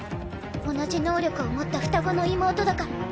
同じ能力を持った双子の妹だから。